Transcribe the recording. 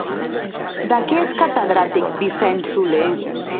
De què és catedràtic Vicent Soler?